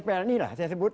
pelni lah saya sebut